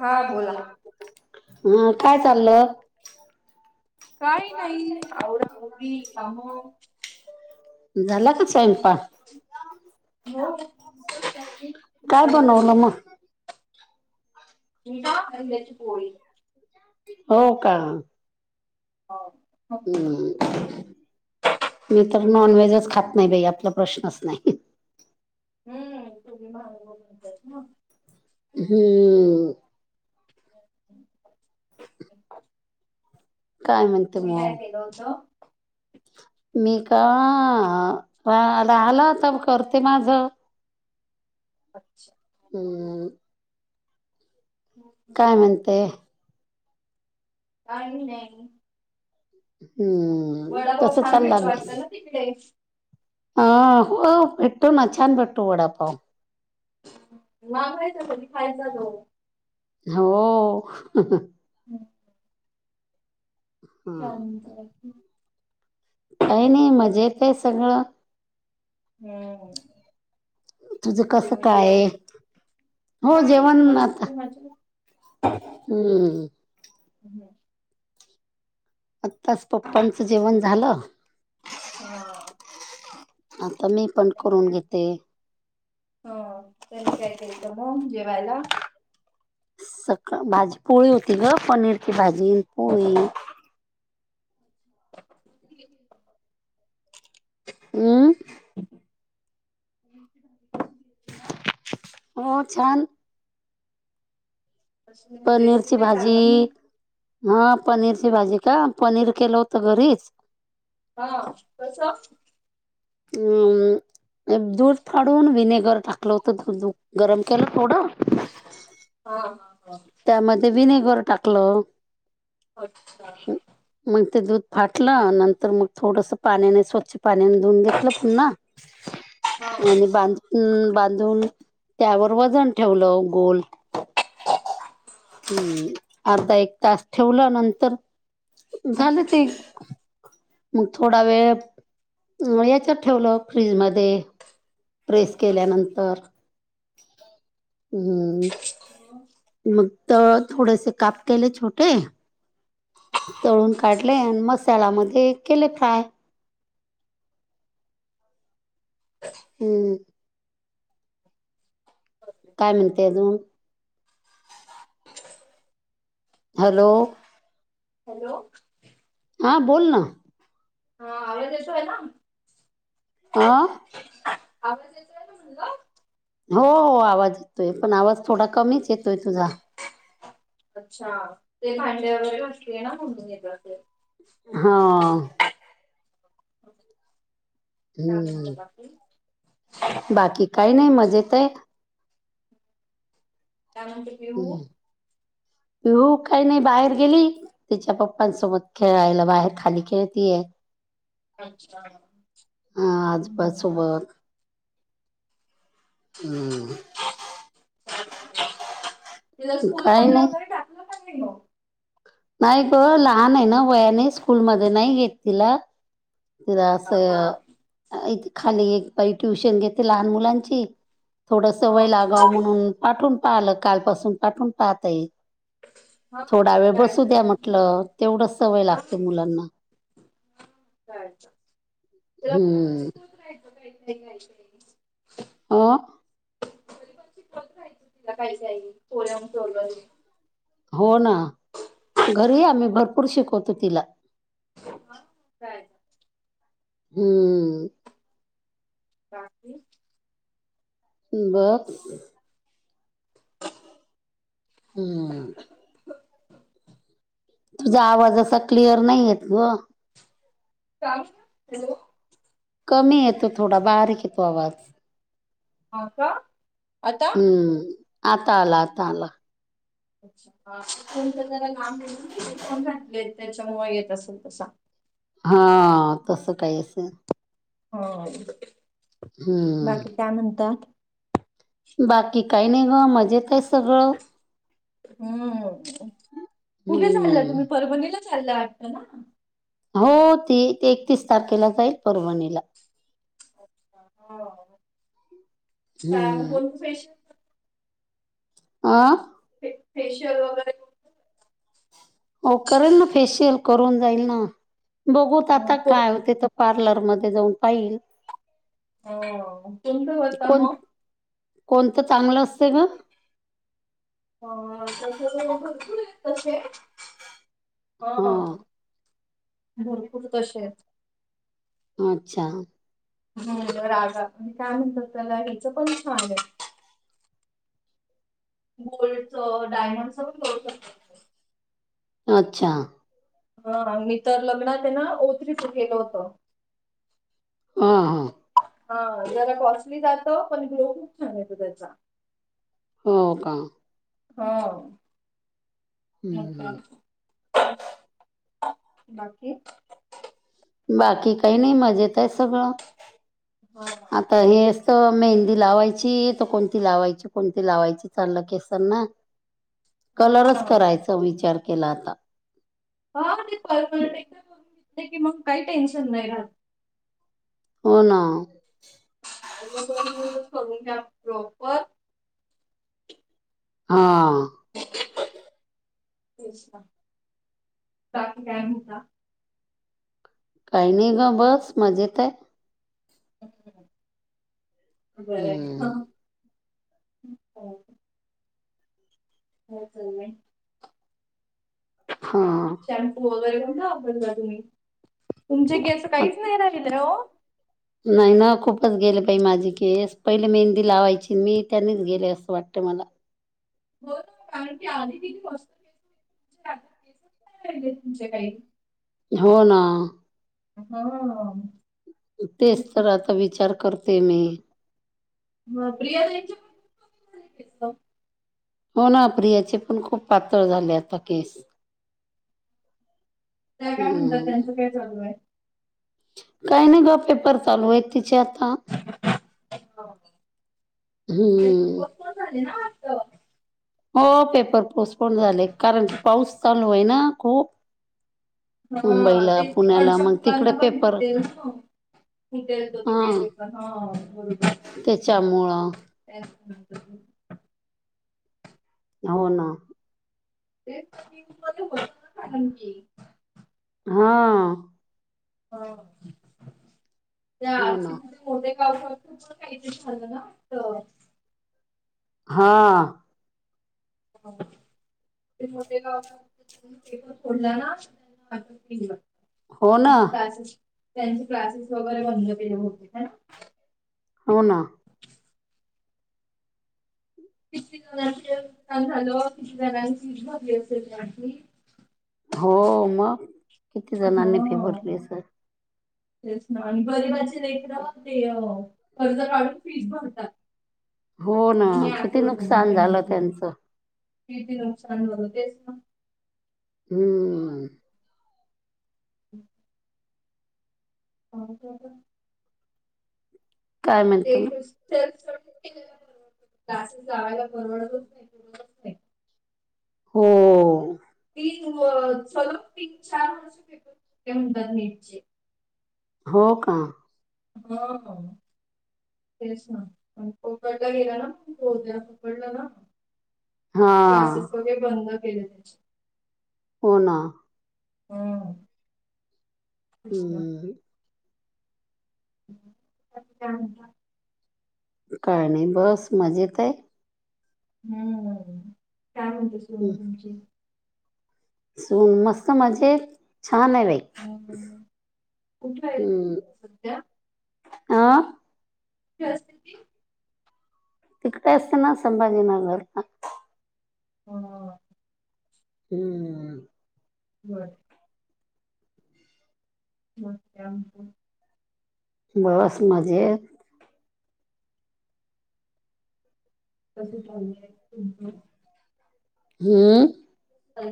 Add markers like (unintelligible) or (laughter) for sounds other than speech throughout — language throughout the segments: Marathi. हा बोला! हा काय चाललंय? चाललं काही नाही औरत होती काम. झाला का सायंपाक? काय बनवलं मग? अंड्याची पोळी. हो का? हो! मी तर नॉन व्हेजच खात नाही बाई आपला प्रश्नच नाही. (unintelligible) हम्म! ह (unintelligible) काय म्हणते मग, (unintelligible) मी का रा रालं तर करते माझं. अच्छा! हम! काय म्हणते. का नाही. हम! वडा पाव छान भेटत वाटतं ना तिकडे, अ हो भेटतो ना छान भेटतो वडापाव. मागायचं पण खायचं नाही. हो! ह (unintelligible) काही नाही मजेत आहे सगळं. हम्! तुझं कसं काय? हो काही जेवण नाही मस्त आता. मजेत. हम्! हम्म? आत्ताच पप्पांचं जेवण झालं. हा! आता मी पण त्यांनी करून काय घेते. हा त्यांनी काय केलंत मग जेवायला. सका भाजी पोळी होती ग! पनीरची भाजी पोळी (unintelligible) हमं! हो छान. अशी म्हणजे पनीरची रेसिपी भाजी. सांगा ना. हा पनीरची भाजी का पनीर केलं होत घरीच. हा कस अम दूध फाडून विनेगर टाकलं होतं दूध गरम केलं थोडं, हा ह त्यामध्ये विनेगर टाकलं. अच्छा मग ते दूध फाटलं नंतर मग थोडस पाण्याने स्वच्छ पाण्याने धुून घेत पुन्हा हा आणि बधुन हम् बांधून त्यावर वजन ठेवलं गोल हम् अर्धा एक तास ठेवला नंतर झालं ते मग थोडा वेळ याच्यात ठेवलं फ्रीजमध्येध्ये प्रेस केल्यानंतर हम्म हा मग तर थोडेसे काप केले छोटे तळून काढले आणि मसाल्यामध्ये केले फ्राय ह हम्म काय म्हणते अजून हॅलो हॅलो हां बोल ना हा अ दिस आहेला आह आवाज यायचा आहे ना म्हणलं हो हो आवाज येतोय पण आवाज थोडा कमीच येतोय तुझा अच्छा ते भांडे्या वगैरे असले ना म्हणून घेत ते हा का म्हणत हम्म बाकीू बाकी काही नाही मज येत आहे त्यानर हम्म हो काही नाही बाहेर गेली त्याच्या पप्पांसोबत खेळायला बाहेर खाली खेळतीय अच्छा ह हम्म. आजपासोबत हम्म तिला स्कूल काही मध्ये नाही. वगैरे टाकलं का नाही ओ नाही ग लहान आहे ना वयाने स्कूलमध्येध्ये नाही घेत तिला तला हा असं इथे खाली एक प ट्युशन घेते लहान मुलांची थोडस सवय हो लागावं म्हणून पाठून पाहिलं काल पाासून पाठून पाहताई हा थोडा वेळ काय बसू तर द्या म्हटलं तेवढं सवय लागते मुलांना (unintelligible) हम्म ते ह राहाय तिला काही का पोऱ्यालं (unintelligible) हो ना घरी आम्ही भरपूर शिकवतो तिला हा कायच हम्म काी बघ हम तुझा आवाज असा क्लिअर नाही येत ग का हॅलो कमी येतो थोडा बारीक येतो आवाज हा का आता हम्म आता आला आता आला अच्छा फोन तर जरा लांब फोन घातले त्याच्यामुळ येत असेल तसा हा तस काही असेल. हो. हम्. काय महनता. बाकी काही नाही ग मजेत आहे सगळं. हम्म कुठे चाललं हम्म तुम्ही परभणीला. चालय वाटतं ना. हो त ते एकतीस तारखेला जाईल परभणीला. का मग हम्म कोणतं फॅशन. आ फेशियल वगैरे. हो करेल ना फेशियल करून जाईल ना बघूत आता काय होते. पार्लर मध्ये जाऊन पाईल. हो तुम होता कोण मग कोणतं चांगलं असत ग. अ सं क (unintelligible) हो हां भरपूर तसे आहेत. अच्छा. हो राजा आणि काय म्हणतात त्याला हिचं पण छान. गोल्डचं डायमंड स पण करू शकतात. अच्छा. हा मी तर लग्नात ये ना ओतरीच केलं होतं. हां हां. हा जरा कॉसली जात पण ग्लो खूप छान येतो त्याचा हो का. हो म हं. बाकी. बाकी काही नाही मजेत आहे सगळं हा आता हे तर मेहंदी लावायची तर कोणती लावायची कोणती लावायची चाललं केसांना ना. कलरच हा. करायचा विचार केला आता. हा ते पर की मग काही टेन्शन नाही रात हो ना करून घ्या प्रॉपर. हा. बा क कायम का काही नाही ग बस मज येत आहे. हं. बर. हो चाल आहे हा. शॅम्पू वगैरे कोणता वापरला तुम्ही तुमचे केस काहीच नाही राहित हो नाही ना खूपच गेले पाहि माझी केस पहिले मेहंदी लावायची मी त्यांनीच गेले असं वाटते मला हो कारण की आधी किती मस्त केस के राहि तुमच्या काही हो ना. हा. तेच तर आता विचार करते मी. मग प्रियाच्या. हो ना प्रियाचे पण खूप पातळ झाले आता केस. त्या काय म्हणतात हम्म त्यांचं काय चालू आहे. काही नाही ग पेपर चालू आहे तिचे आता. ते तर हम्म पस झाले ना वात हो पेपर पोस्टपोन झाले कारण की पाऊस चालू आहे ना खूप हा मुंबईला ते पुण्याला तिकडच्या मग तिकडे मुलांना पण पेपर भेटेल ना तिथं हा ते प हा बरोबर त्याच्यामुळं ह हो ना, ते मध्ये ब कारण की, हा हो त्या आ हो ना मोे गाव खूप काही झालं ना तर हा हा ते मोठे गाव पेपर फोडला ना त्यांना वाटिलं. हो ना क्लासेस त्यांचे क्लासेस वगैरे बंद केले होते ना हो ना, किती जणांचे नुकसान झालं किती जणांची भाजली असेलली हो मग किती जणांनी फि हा भरली असेल तेच ना आणि गरिबाचे लेकर ते कर्ज काढून फीज भरतात हो ना आणि हे आक किती होत मग नुकसान झालं त्यांच त्यांचं किती नुकसान भरू देस ना हम्म हम हो का, काय ते म्हणते मग क्रि क्लासेस लावायला बडत नाही नाही. हो हम तीन चलू तीन चार वर्ष फो त्याणतात नीटचे हो का, हो तेच ना प पकडला गेला ना बोद्या पकडला ना, हा क्लासेस वगैरे बंद केले त्याचे हो ना, हम् त हम्म अ काय नाही बस मजेत आहे. हम्म काय म्हणत स हम्म, तुमची सून मस्त मजेत छान आहे व्हय. कुठे आहे हम्म सध्या? अ नमस्त (inaudible) तिकडे असते ना संभाजीनगर हम हम्म बरं. म बस मजेत, कस चाले त हम्म अ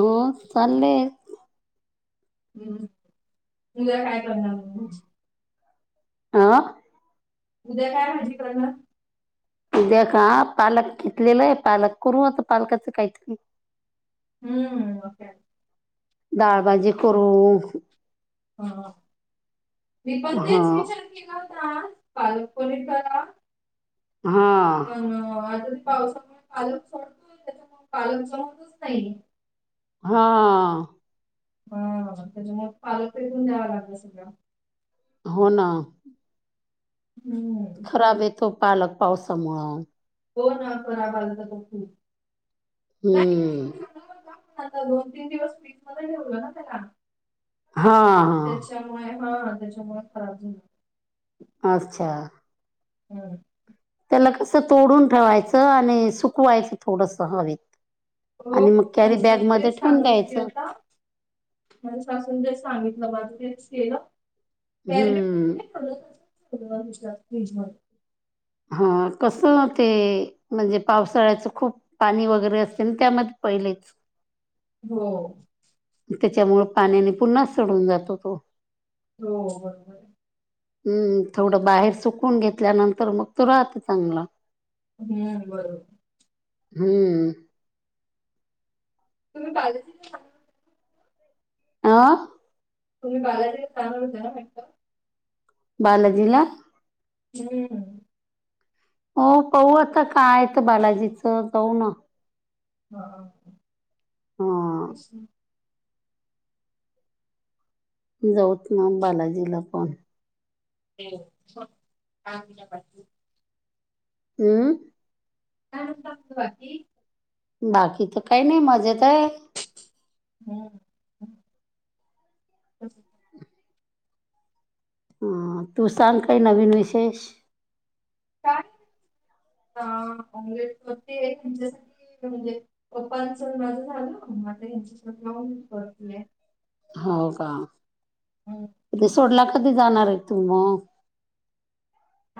हो चालले. हम्म त्या काय करणार आ उद्या काय भजी कर मग द्या का पालक घेतलेला आहे पालक करू आता पालकाचं काहीतरी हम्म ओ डाळभाजी करू हा मी पण हा तेच विचार केला होता पालक प हा ह आता ते पावसामुळे पालन सडतोय त्याच्यामु पालन चढतच नाही हा हा त्याच्यामुळे पालकरीेतून द्यावं लागलं सगळं हो ना हम्म खराब येतो पालक पावसामुळं हो ना खराब आला तर तो खूप हम्म दोन तीन दिवस बीच मध्ये ठेवल ना त्याला हा हा त्याच्यामुळे हा त्याच्यामुळे खराब झा अच्छा हम्म त्याला कसं तोडून ठेवायचं आणि सुकवायचं थोडस हवेत हो आणि मग कॅरी बॅग लते मध्ये ठेवून सांगत होती द्यायचं आता म सासून तेच सांगितलं केलं हम्म (inaudible) हा कसं ते म्हणजे पावसाळ्याच खूप पाणी वगैरे असते त्यामध्ये पहिलेच हो त्याच्यामुळेळ पाण्याने पुन्हा सडून जातो तो हो हम्म थोडं बाहेर सुकून घेतल्यानंतर मग तो राहत चांगला हम्म बरोबर हम्म तुम्ही पा आ तुम्ही बालाजी थान होता ना मात बालाजिला हम्म हो पाहू आता काय तर बालाजीचं जाऊ ना हां हा त जाऊत ना बालाजीला पण (inaudible) हम्म काय म्हणतं असती बाकी बाकी तर काही नाही मजेत आहे हम्म ह तू सांग काय नवीन विशेष काय ऑमलेट करतेय म्हणजे पप्पांच माझं झालंता हच्यासोत लाून करतीय हो का हो के सोडला कधी जाणार आहे तू मग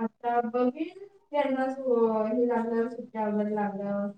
आता बघन त्यांनाच हे झालं सुक्यावर लालं